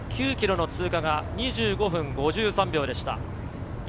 ９ｋｍの通過が２５分５３秒でした。